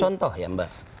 contoh ya mbak